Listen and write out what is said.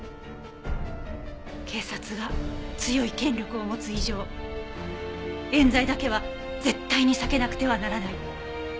警察が強い権力を持つ以上冤罪だけは絶対に避けなくてはならない。